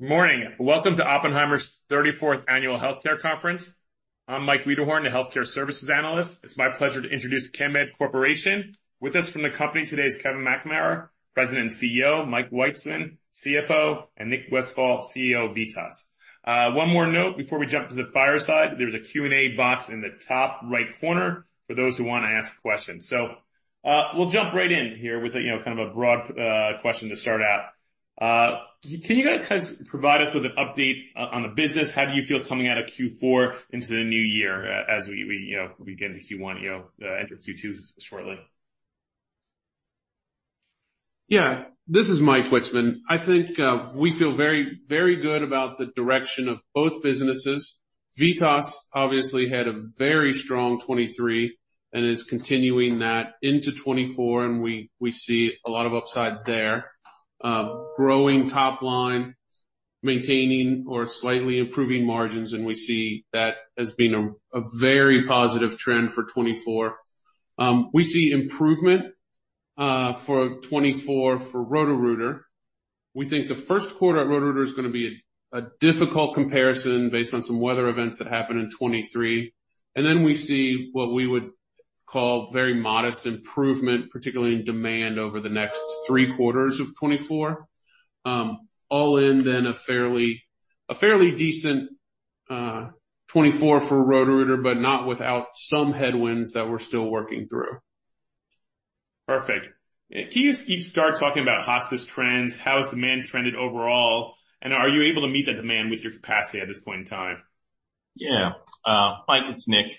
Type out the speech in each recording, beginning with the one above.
Good morning. Welcome to Oppenheimer's 34th Annual Healthcare Conference. I'm Mike Wiederhorn, the Healthcare Services Analyst. It's my pleasure to introduce Chemed Corporation. With us from the company today is Kevin McNamara, President and CEO; Mike Witzeman, CFO; and Nick Westfall, CEO VITAS. One more note before we jump to the fireside: there's a Q&A box in the top right corner for those who want to ask questions. So we'll jump right in here with a kind of a broad question to start out. Can you guys provide us with an update on the business? How do you feel coming out of Q4 into the new year as we begin to Q1, enter Q2 shortly? Yeah. This is Mike Witzeman. I think we feel very, very good about the direction of both businesses. VITAS obviously had a very strong 2023 and is continuing that into 2024, and we see a lot of upside there. Growing top line, maintaining or slightly improving margins, and we see that as being a very positive trend for 2024. We see improvement for 2024 for Roto-Rooter. We think the first quarter at Roto-Rooter is going to be a difficult comparison based on some weather events that happened in 2023. And then we see what we would call very modest improvement, particularly in demand over the next three quarters of 2024. All in then a fairly decent 2024 for Roto-Rooter, but not without some headwinds that we're still working through. Perfect. Can you start talking about hospice trends? How has demand trended overall? And are you able to meet that demand with your capacity at this point in time? Yeah. Mike, it's Nick.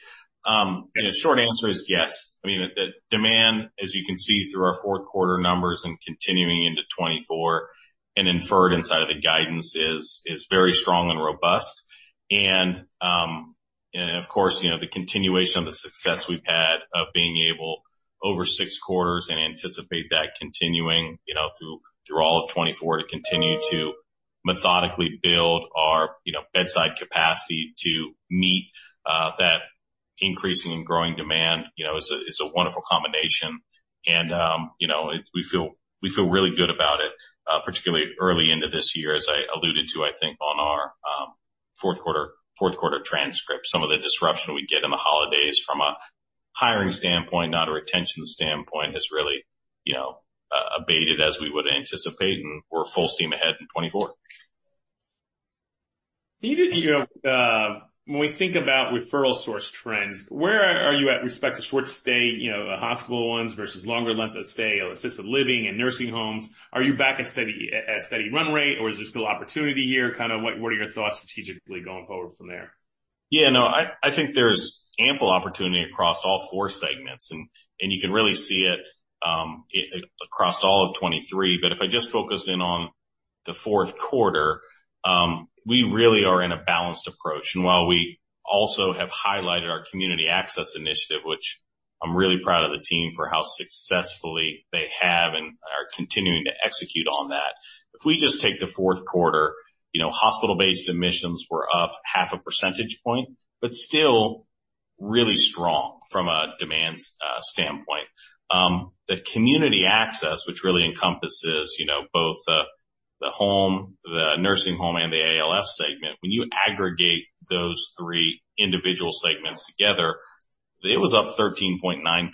Short answer is yes. I mean, demand, as you can see through our fourth quarter numbers and continuing into 2024 and inferred inside of the guidance, is very strong and robust. And of course, the continuation of the success we've had of being able over six quarters and anticipate that continuing through all of 2024 to continue to methodically build our bedside capacity to meet that increasing and growing demand is a wonderful combination. And we feel really good about it, particularly early into this year, as I alluded to, I think, on our fourth quarter transcript. Some of the disruption we get in the holidays from a hiring standpoint, not a retention standpoint, has really abated as we would anticipate, and we're full steam ahead in 2024. When we think about referral source trends, where are you at with respect to short-stay hospital ones versus longer lengths of stay assisted living and nursing homes? Are you back at steady run rate, or is there still opportunity here? Kind of what are your thoughts strategically going forward from there? Yeah. No, I think there's ample opportunity across all four segments, and you can really see it across all of 2023. But if I just focus in on the fourth quarter, we really are in a balanced approach. And while we also have highlighted our Community Access Initiative, which I'm really proud of the team for how successfully they have and are continuing to execute on that, if we just take the fourth quarter, hospital-based admissions were up 0.5 percentage points, but still really strong from a demand standpoint. The Community Access, which really encompasses both the home, the nursing home, and the ALF segment, when you aggregate those three individual segments together, it was up 13.9%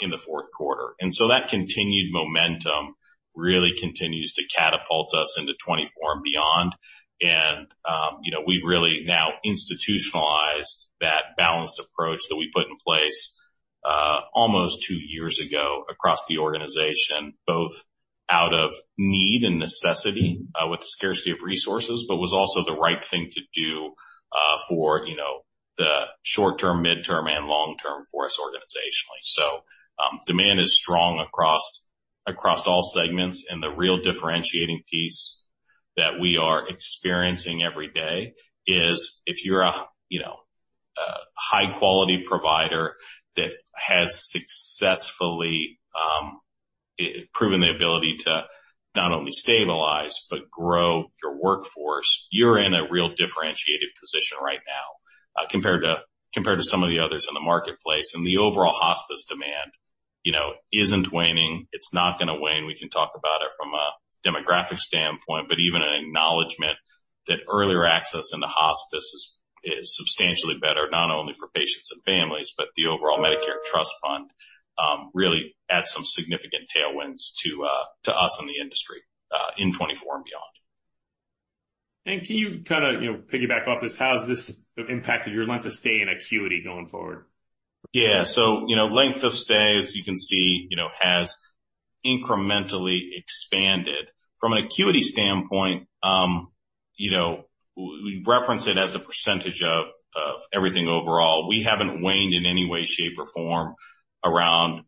in the fourth quarter. And so that continued momentum really continues to catapult us into 2024 and beyond. And we've really now institutionalized that balanced approach that we put in place almost two years ago across the organization, both out of need and necessity with the scarcity of resources, but was also the right thing to do for the short-term, midterm, and long-term for us organizationally. So demand is strong across all segments. And the real differentiating piece that we are experiencing every day is if you're a high-quality provider that has successfully proven the ability to not only stabilize but grow your workforce, you're in a real differentiated position right now compared to some of the others in the marketplace. And the overall hospice demand isn't waning. It's not going to wane. We can talk about it from a demographic standpoint, but even an acknowledgment that earlier access in the hospice is substantially better, not only for patients and families, but the overall Medicare Trust Fund really adds some significant tailwinds to us in the industry in 2024 and beyond. Can you kind of piggyback off this? How has this impacted your length of stay and acuity going forward? Yeah. So length of stay, as you can see, has incrementally expanded. From an acuity standpoint, we reference it as a percentage of everything overall. We haven't waned in any way, shape, or form around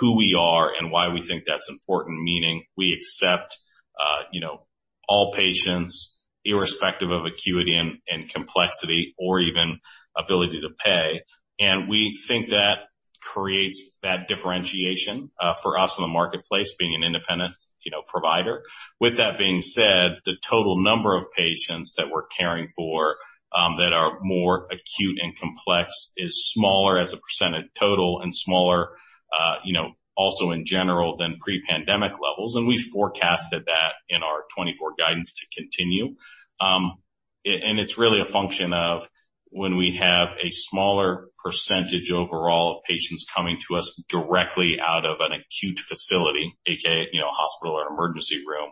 who we are and why we think that's important, meaning we accept all patients irrespective of acuity and complexity or even ability to pay. And we think that creates that differentiation for us in the marketplace, being an independent provider. With that being said, the total number of patients that we're caring for that are more acute and complex is smaller as a percentage total and smaller also in general than pre-pandemic levels. And we've forecasted that in our 2024 guidance to continue. And it's really a function of when we have a smaller percentage overall of patients coming to us directly out of an acute facility, a.k.a. hospital or emergency room,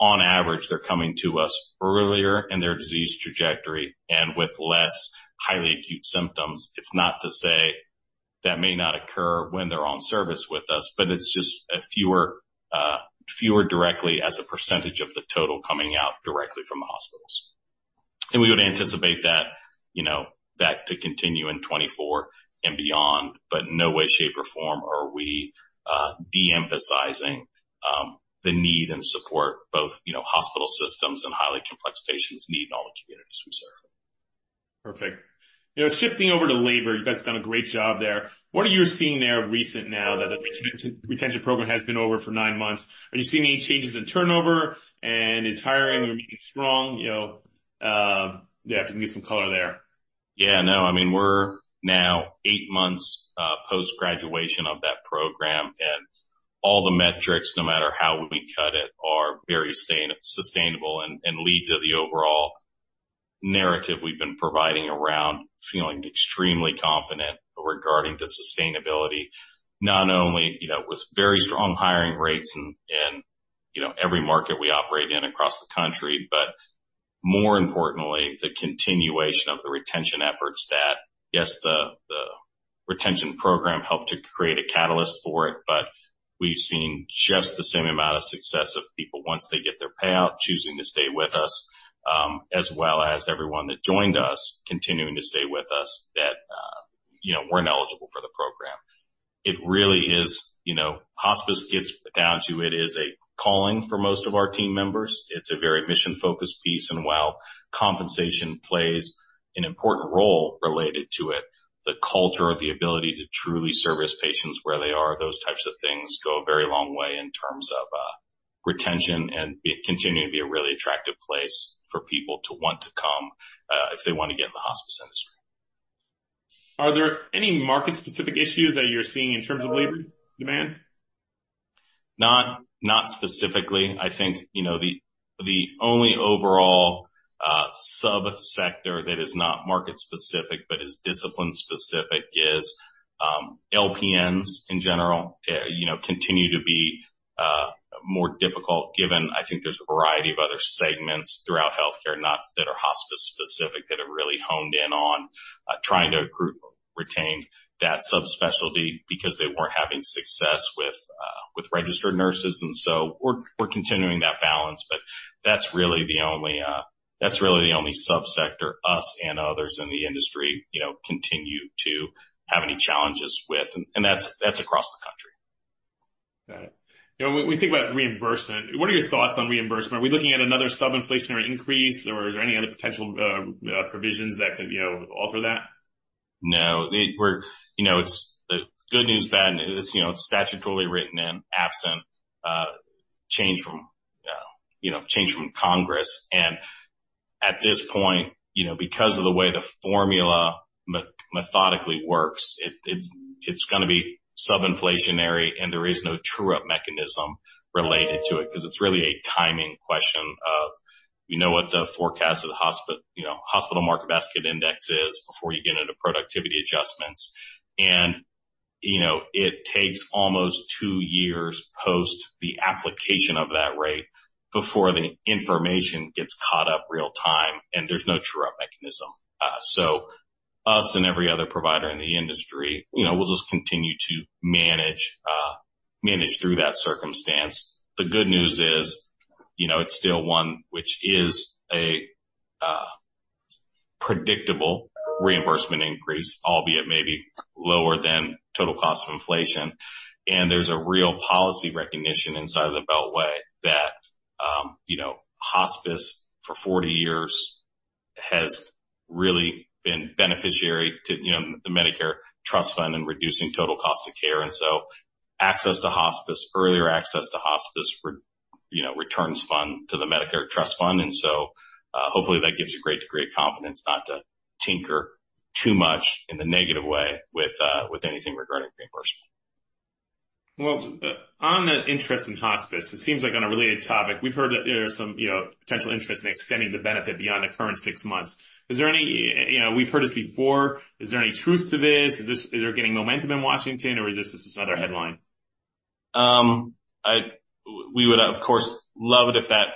on average, they're coming to us earlier in their disease trajectory and with less highly acute symptoms. It's not to say that may not occur when they're on service with us, but it's just fewer directly as a percentage of the total coming out directly from the hospitals. We would anticipate that to continue in 2024 and beyond, but in no way, shape, or form are we de-emphasizing the need and support both hospital systems and highly complex patients need in all the communities we serve. Perfect. Shifting over to labor, you guys have done a great job there. What are you seeing there of recent now that the retention program has been over for nine months? Are you seeing any changes in turnover, and is hiring remaining strong? Yeah, if you can get some color there. Yeah. No, I mean, we're now eight months post-graduation of that program, and all the metrics, no matter how we cut it, are very sustainable and lead to the overall narrative we've been providing around feeling extremely confident regarding the sustainability, not only with very strong hiring rates in every market we operate in across the country, but more importantly, the continuation of the retention efforts that, yes, the retention program helped to create a catalyst for it, but we've seen just the same amount of success of people once they get their payout choosing to stay with us, as well as everyone that joined us continuing to stay with us that weren't eligible for the program. It really is hospice gets down to it is a calling for most of our team members. It's a very mission-focused piece. While compensation plays an important role related to it, the culture of the ability to truly service patients where they are, those types of things go a very long way in terms of retention and continuing to be a really attractive place for people to want to come if they want to get in the hospice industry. Are there any market-specific issues that you're seeing in terms of labor demand? Not specifically. I think the only overall subsector that is not market-specific but is discipline-specific is LPNs in general continue to be more difficult given I think there's a variety of other segments throughout healthcare that are hospice-specific that have really honed in on trying to retain that subspecialty because they weren't having success with registered nurses. And so we're continuing that balance. But that's really the only subsector us and others in the industry continue to have any challenges with. And that's across the country. Got it. When we think about reimbursement, what are your thoughts on reimbursement? Are we looking at another subinflationary increase, or is there any other potential provisions that could alter that? No. It's good news, bad. It's statutorily written in, absent, changed from Congress. And at this point, because of the way the formula methodically works, it's going to be subinflationary, and there is no true-up mechanism related to it because it's really a timing question of we know what the forecast of the hospital Market Basket Index is before you get into productivity adjustments. And it takes almost two years post the application of that rate before the information gets caught up real-time, and there's no true-up mechanism. So us and every other provider in the industry will just continue to manage through that circumstance. The good news is it's still one which is a predictable reimbursement increase, albeit maybe lower than total cost of inflation. There's a real policy recognition inside the Beltway that hospice for 40 years has really been beneficiary to the Medicare Trust Fund in reducing total cost of care. And so access to hospice, earlier access to hospice, returns fund to the Medicare Trust Fund. And so hopefully, that gives you great degree of confidence not to tinker too much in the negative way with anything regarding reimbursement. Well, on the interest in hospice, it seems like on a related topic, we've heard that there are some potential interests in extending the benefit beyond the current six months. Is there any? We've heard this before. Is there any truth to this? Is there getting momentum in Washington, or is this just another headline? We would, of course, love it if that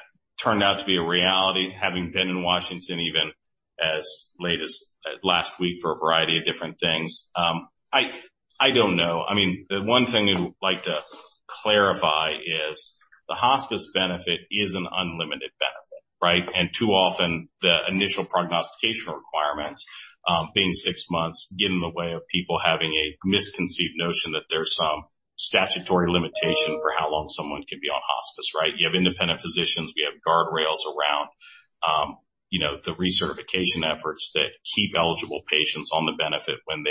turned out to be a reality, having been in Washington even as late as last week for a variety of different things. I don't know. I mean, the one thing I'd like to clarify is the hospice benefit is an unlimited benefit, right? And too often, the initial prognostication requirements, being six months, get in the way of people having a misconceived notion that there's some statutory limitation for how long someone can be on hospice, right? You have independent physicians. We have guardrails around the recertification efforts that keep eligible patients on the benefit when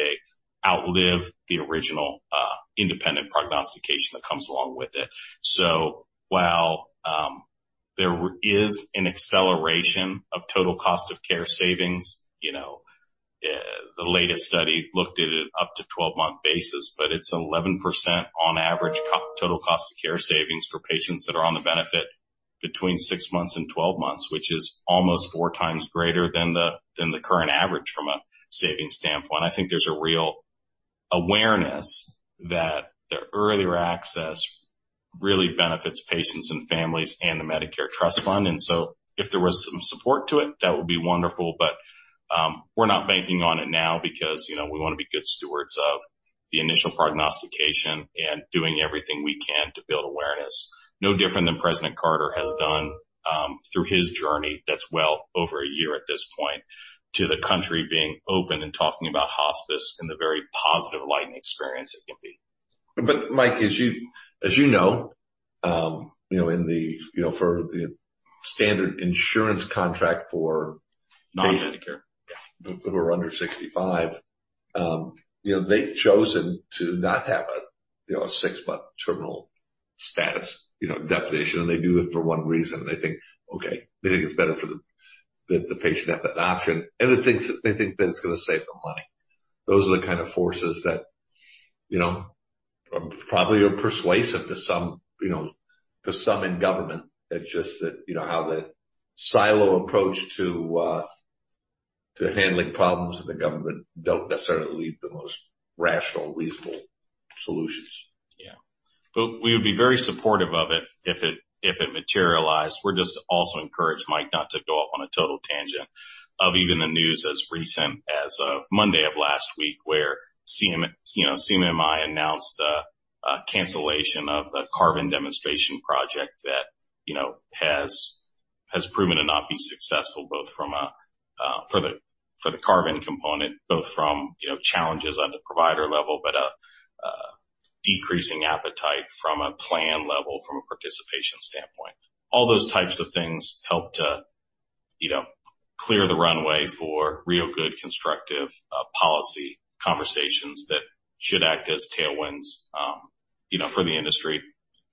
they outlive the original independent prognostication that comes along with it. While there is an acceleration of total cost of care savings, the latest study looked at it up to 12-month basis, but it's 11% on average total cost of care savings for patients that are on the benefit between six months and 12 months, which is almost four times greater than the current average from a savings standpoint. I think there's a real awareness that the earlier access really benefits patients and families and the Medicare Trust Fund. If there was some support to it, that would be wonderful. But we're not banking on it now because we want to be good stewards of the initial prognostication and doing everything we can to build awareness, no different than President Carter has done through his journey that's well over a year at this point to the country being open and talking about hospice and the very positive enlightening experience it can be. But Mike, as you know, in the standard insurance contract for. Non-Medicare. Who are under 65, they've chosen to not have a six-month terminal status definition. And they do it for one reason. They think, "Okay." They think it's better that the patient have that option. And they think that it's going to save them money. Those are the kind of forces that probably are persuasive to some in government. It's just that how the silo approach to handling problems in the government don't necessarily lead to the most rational, reasonable solutions. Yeah. But we would be very supportive of it if it materialized. We're just also encouraged, Mike, not to go off on a total tangent of even the news as recent as of Monday of last week where CMMI announced a cancellation of the carve-in demonstration project that has proven to not be successful both from a for the carve-in component, both from challenges at the provider level, but a decreasing appetite from a plan level, from a participation standpoint. All those types of things help to clear the runway for real good, constructive policy conversations that should act as tailwinds for the industry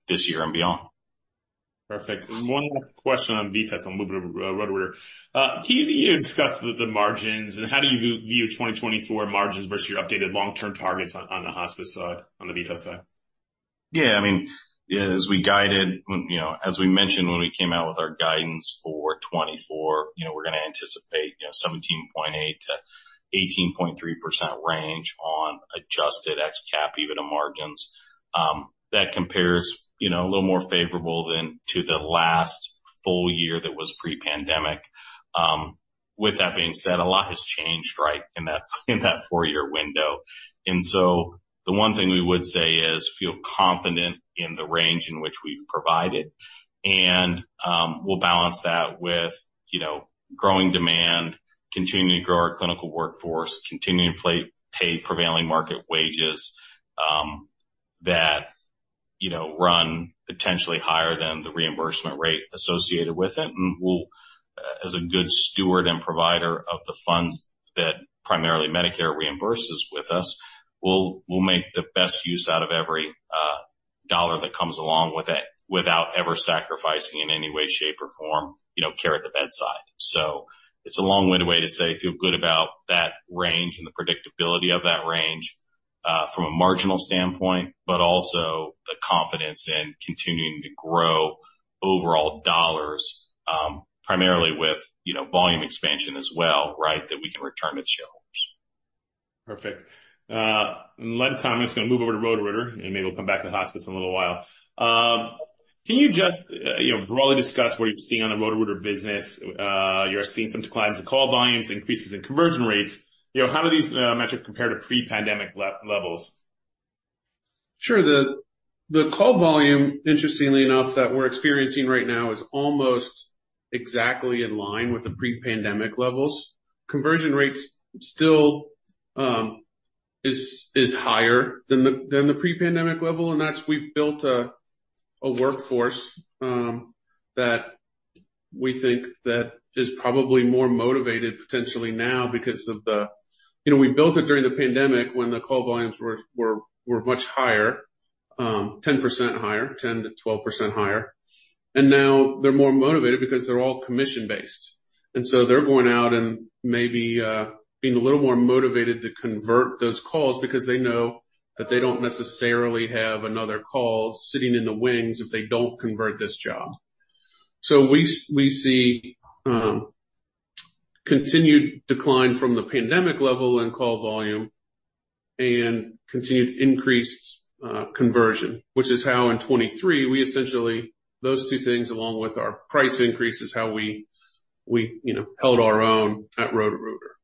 this year and beyond. Perfect. One last question on VITAS, a little bit of a Roto-Rooter. Can you discuss the margins, and how do you view 2024 margins versus your updated long-term targets on the hospice side, on the Roto-Rooter side? Yeah. I mean, as we guided as we mentioned when we came out with our guidance for 2024, we're going to anticipate 17.8%-18.3% range on adjusted ex-cap EBITDA margins. That compares a little more favorable than to the last full year that was pre-pandemic. With that being said, a lot has changed, right, in that four-year window. And so the one thing we would say is feel confident in the range in which we've provided. And we'll balance that with growing demand, continuing to grow our clinical workforce, continuing to pay prevailing market wages that run potentially higher than the reimbursement rate associated with it. As a good steward and provider of the funds that primarily Medicare reimburses with us, we'll make the best use out of every dollar that comes along with it without ever sacrificing in any way, shape, or form care at the bedside. So it's a long-winded way to say feel good about that range and the predictability of that range from a marginal standpoint, but also the confidence in continuing to grow overall dollars, primarily with volume expansion as well, right, that we can return to the shareholders. Perfect. A lot of time, I'm just going to move over to Roto-Rooter, and maybe we'll come back to hospice in a little while. Can you just broadly discuss what you're seeing on the Roto-Rooter business? You're seeing some declines in call volumes, increases in conversion rates. How do these metrics compare to pre-pandemic levels? Sure. The call volume, interestingly enough, that we're experiencing right now is almost exactly in line with the pre-pandemic levels. Conversion rate still is higher than the pre-pandemic level. And we've built a workforce that we think that is probably more motivated potentially now because of the way we built it during the pandemic when the call volumes were much higher, 10% higher, 10%-12% higher. And now they're more motivated because they're all commission-based. And so they're going out and maybe being a little more motivated to convert those calls because they know that they don't necessarily have another call sitting in the wings if they don't convert this job. We see continued decline from the pandemic level in call volume and continued increased conversion, which is how in 2023, we essentially those two things along with our price increase is how we held our own at Roto-Rooter.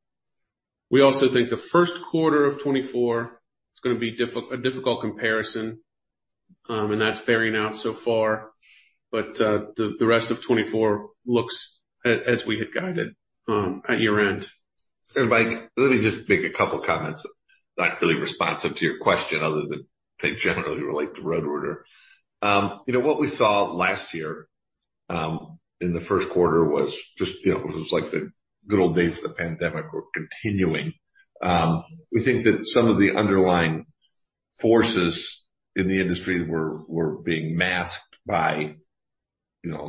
We also think the first quarter of 2024 is going to be a difficult comparison. That's bearing out so far. The rest of 2024 looks as we had guided at year-end. And Mike, let me just make a couple of comments not really responsive to your question other than they generally relate to Roto-Rooter. What we saw last year in the first quarter was just it was like the good old days of the pandemic were continuing. We think that some of the underlying forces in the industry were being masked by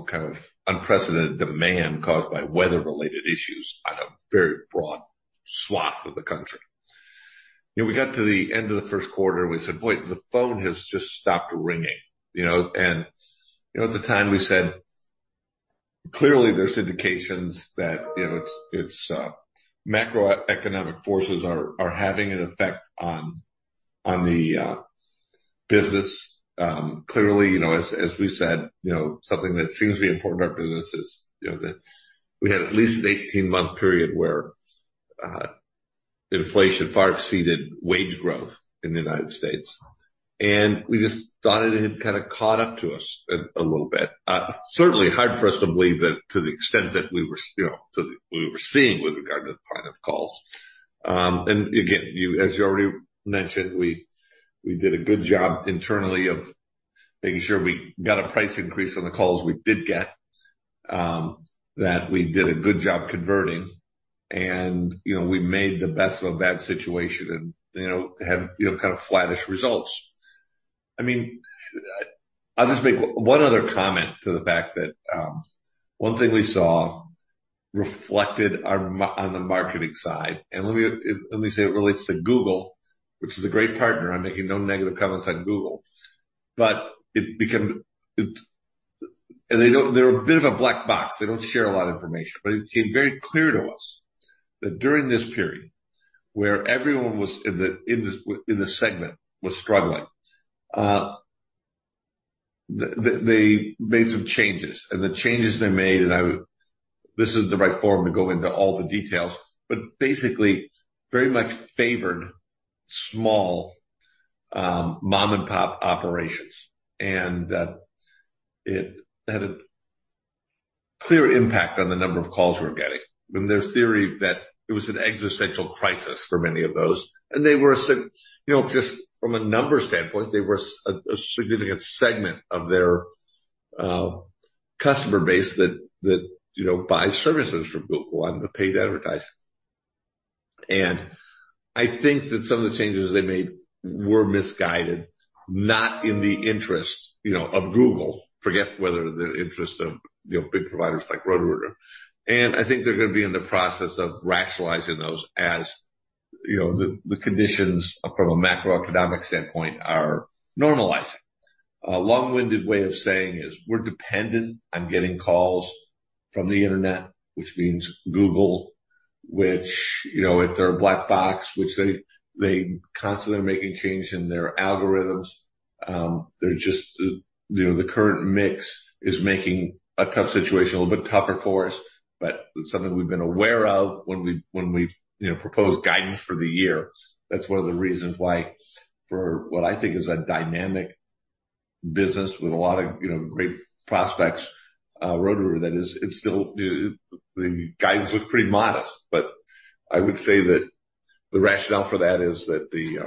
kind of unprecedented demand caused by weather-related issues on a very broad swath of the country. We got to the end of the first quarter. We said, "Boy, the phone has just stopped ringing." And at the time, we said, "Clearly, there's indications that macroeconomic forces are having an effect on the business." Clearly, as we said, something that seems to be important to our business is that we had at least an 18-month period where inflation far exceeded wage growth in the United States. And we just thought it had kind of caught up to us a little bit. Certainly, hard for us to believe that to the extent that we were seeing with regard to the kind of calls. And again, as you already mentioned, we did a good job internally of making sure we got a price increase on the calls we did get, that we did a good job converting, and we made the best of a bad situation and had kind of flat-ish results. I mean, I'll just make one other comment to the fact that one thing we saw reflected on the marketing side. And let me say it relates to Google, which is a great partner. I'm making no negative comments on Google. But it became they're a bit of a black box. They don't share a lot of information. But it became very clear to us that during this period where everyone in the segment was struggling, they made some changes. The changes they made and this is the right forum to go into all the details, but basically very much favored small mom-and-pop operations. It had a clear impact on the number of calls we were getting. There's theory that it was an existential crisis for many of those. They were just from a number standpoint, they were a significant segment of their customer base that buys services from Google and the paid advertising. I think that some of the changes they made were misguided, not in the interest of Google. Forget whether the interest of big providers like Roto-Rooter. I think they're going to be in the process of rationalizing those as the conditions from a macroeconomic standpoint are normalizing. A long-winded way of saying is we're dependent on getting calls from the internet, which means Google, which if they're a black box, which they constantly are making change in their algorithms. They're just the current mix is making a tough situation a little bit tougher for us. But something we've been aware of when we proposed guidance for the year. That's one of the reasons why for what I think is a dynamic business with a lot of great prospects, Roto-Rooter, that is it still the guidance looks pretty modest. But I would say that the rationale for that is that the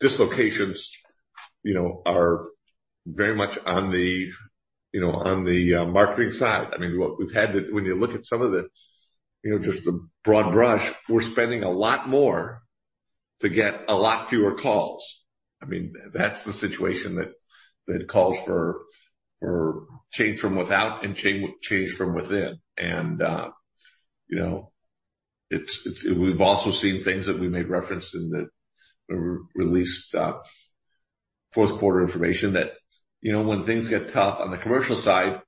dislocations are very much on the marketing side. I mean, what we've had to when you look at some of the just the broad brush, we're spending a lot more to get a lot fewer calls. I mean, that's the situation that calls for change from without and change from within. We've also seen things that we made reference in the released fourth-quarter information that when things get tough on the commercial side,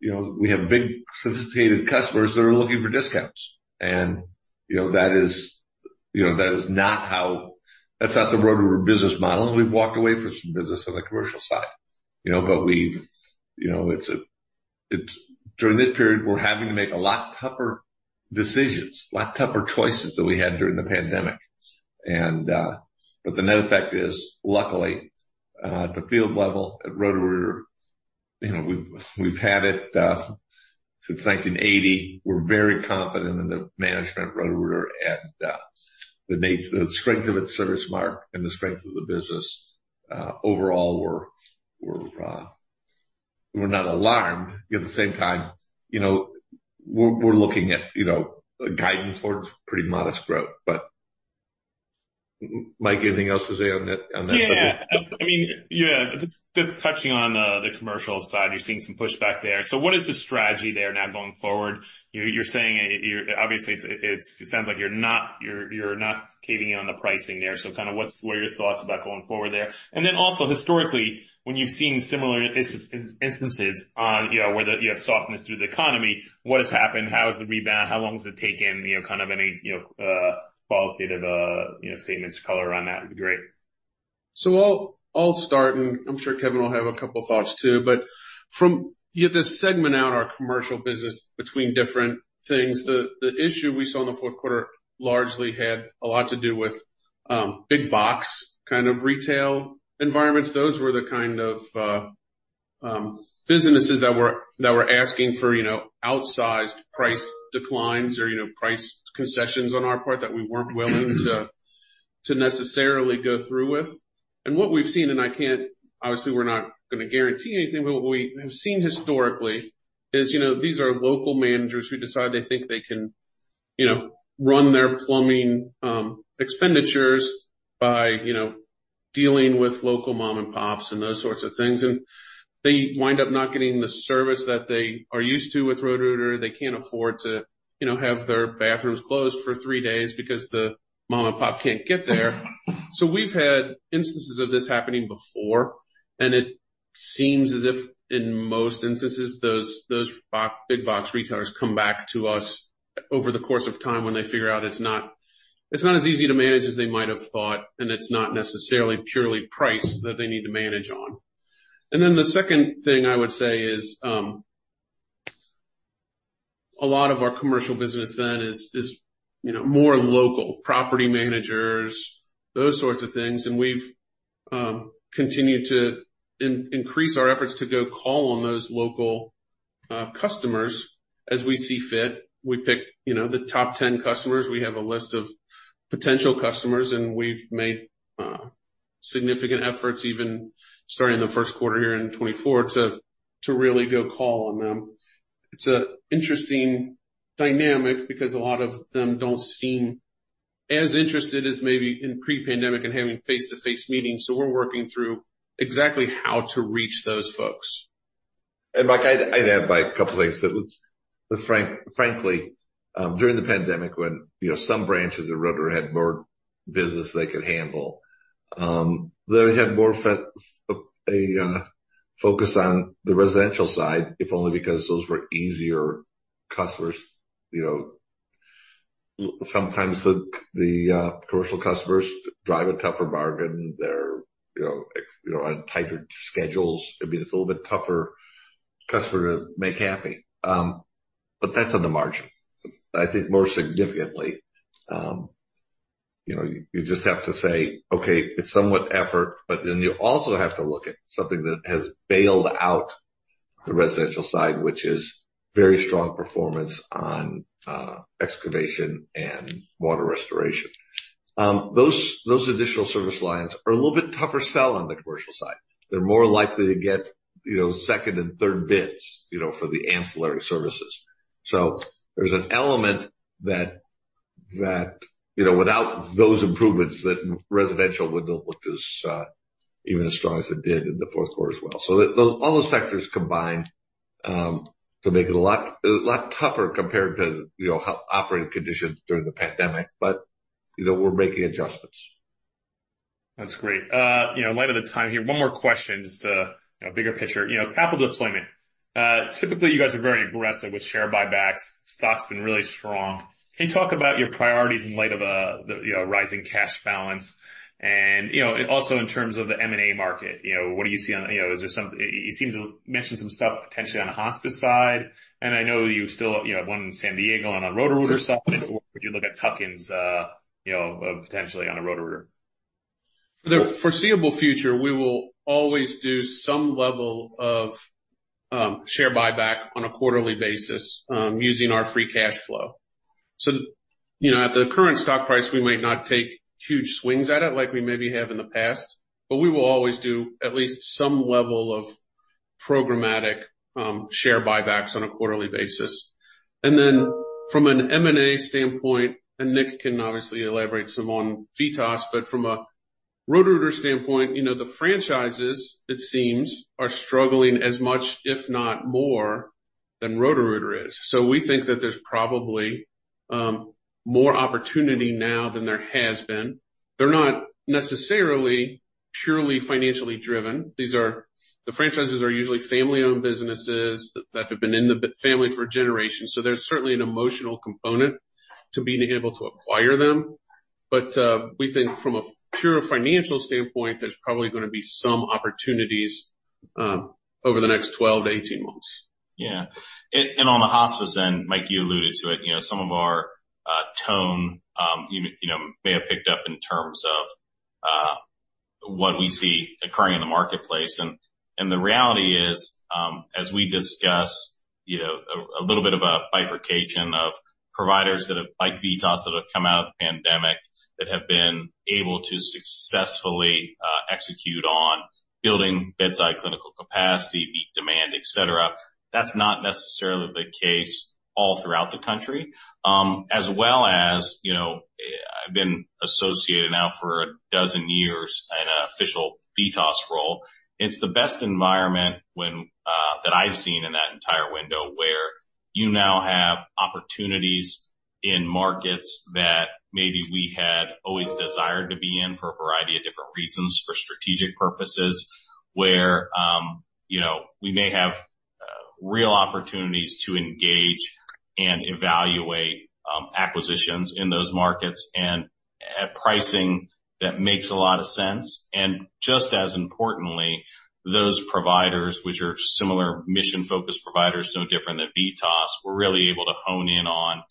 we have big sophisticated customers that are looking for discounts. And that is not how that's not the Roto-Rooter business model. We've walked away from some business on the commercial side. But it's during this period, we're having to make a lot tougher decisions, a lot tougher choices than we had during the pandemic. But the net effect is, luckily, at the field level at Roto-Rooter, we've had it since 1980. We're very confident in the management Roto-Rooter and the strength of its service mark and the strength of the business overall. We're not alarmed. At the same time, we're looking at guidance towards pretty modest growth. Mike, anything else to say on that subject? Yeah. I mean, yeah, just touching on the commercial side, you're seeing some pushback there. So what is the strategy there now going forward? You're saying obviously, it sounds like you're not caving in on the pricing there. So kind of what's your thoughts about going forward there? And then also, historically, when you've seen similar instances on where you have softness through the economy, what has happened? How has the rebound? How long has it taken? Kind of any qualitative statements or color on that would be great. So I'll start. And I'm sure Kevin will have a couple of thoughts too. But from this segment out, our commercial business between different things, the issue we saw in the fourth quarter largely had a lot to do with big box kind of retail environments. Those were the kind of businesses that were asking for outsized price declines or price concessions on our part that we weren't willing to necessarily go through with. And what we've seen and obviously, we're not going to guarantee anything. But what we have seen historically is these are local managers who decide they think they can run their plumbing expenditures by dealing with local mom-and-pops and those sorts of things. And they wind up not getting the service that they are used to with Roto-Rooter. They can't afford to have their bathrooms closed for three days because the mom-and-pop can't get there. So we've had instances of this happening before. It seems as if in most instances, those big box retailers come back to us over the course of time when they figure out it's not as easy to manage as they might have thought. It's not necessarily purely price that they need to manage on. Then the second thing I would say is a lot of our commercial business then is more local, property managers, those sorts of things. We've continued to increase our efforts to go call on those local customers as we see fit. We pick the top 10 customers. We have a list of potential customers. We've made significant efforts even starting the first quarter here in 2024 to really go call on them. It's an interesting dynamic because a lot of them don't seem as interested as maybe in pre-pandemic and having face-to-face meetings. So we're working through exactly how to reach those folks. And Mike, I'd add a couple of things. Frankly, during the pandemic, when some branches of Roto-Rooter had more business they could handle, they had more focus on the residential side if only because those were easier customers. Sometimes the commercial customers drive a tougher bargain. They're on tighter schedules. I mean, it's a little bit tougher customer to make happy. But that's on the margin. I think more significantly, you just have to say, "Okay, it's somewhat effort." But then you also have to look at something that has bailed out the residential side, which is very strong performance on excavation and water restoration. Those additional service lines are a little bit tougher sell on the commercial side. They're more likely to get second and third bids for the ancillary services. So there's an element that without those improvements, that residential wouldn't have looked as even as strong as it did in the fourth quarter as well. So all those factors combined to make it a lot tougher compared to operating conditions during the pandemic. But we're making adjustments. That's great. In light of the time here, one more question just a bigger picture. Capital deployment. Typically, you guys are very aggressive with share buybacks. Stock's been really strong. Can you talk about your priorities in light of a rising cash balance? And also in terms of the M&A market, what do you see? And is there some you seem to mention some stuff potentially on the hospice side. And I know you still have one in San Diego and on Roto-Rooter side. Or would you look at tuck-ins potentially on a Roto-Rooter? For the foreseeable future, we will always do some level of share buyback on a quarterly basis using our free cash flow. So at the current stock price, we might not take huge swings at it like we maybe have in the past. But we will always do at least some level of programmatic share buybacks on a quarterly basis. And then from an M&A standpoint, and Nick can obviously elaborate some on VITAS, but from a Roto-Rooter standpoint, the franchises, it seems, are struggling as much, if not more, than Roto-Rooter is. So we think that there's probably more opportunity now than there has been. They're not necessarily purely financially driven. The franchises are usually family-owned businesses that have been in the family for generations. So there's certainly an emotional component to being able to acquire them. But we think from a pure financial standpoint, there's probably going to be some opportunities over the next 12-18 months. Yeah. On the hospice then, Mike, you alluded to it. Some of our tone may have picked up in terms of what we see occurring in the marketplace. The reality is, as we discuss, a little bit of a bifurcation of providers that have like VITAS that have come out of the pandemic that have been able to successfully execute on building bedside clinical capacity, meet demand, etc. That's not necessarily the case all throughout the country. As well as I've been associated now for a dozen years in an official VITAS role. It's the best environment that I've seen in that entire window where you now have opportunities in markets that maybe we had always desired to be in for a variety of different reasons, for strategic purposes, where we may have real opportunities to engage and evaluate acquisitions in those markets and at pricing that makes a lot of sense. And just as importantly, those providers, which are similar mission-focused providers, no different than VITAS, were really able to hone in on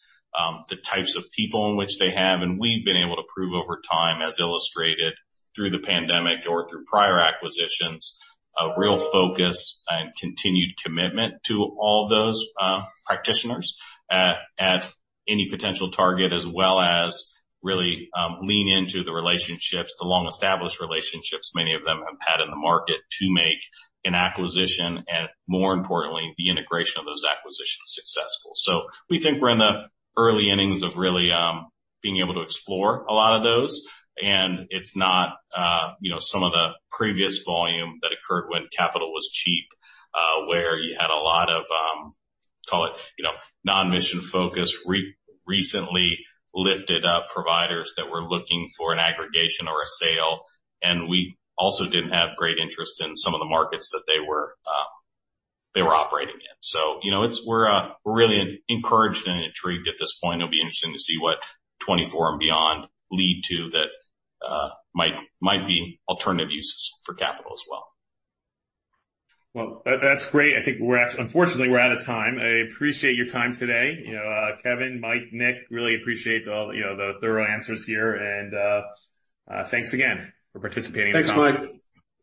the types of people in which they have. We've been able to prove over time, as illustrated through the pandemic or through prior acquisitions, a real focus and continued commitment to all those practitioners at any potential target, as well as really lean into the relationships, the long-established relationships many of them have had in the market to make an acquisition and, more importantly, the integration of those acquisitions successful. We think we're in the early innings of really being able to explore a lot of those. It's not some of the previous volume that occurred when capital was cheap, where you had a lot of, call it, non-mission-focused, recently lifted-up providers that were looking for an aggregation or a sale. We also didn't have great interest in some of the markets that they were operating in. We're really encouraged and intrigued at this point. It'll be interesting to see what 2024 and beyond lead to. That might be alternative uses for capital as well. Well, that's great. I think, unfortunately, we're out of time. I appreciate your time today. Kevin, Mike, Nick, really appreciate all the thorough answers here. And thanks again for participating in the conversation. Thanks, Mike.